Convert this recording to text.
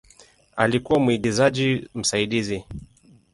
Alikuwa mwigizaji msaidizi.